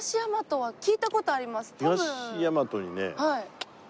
はい。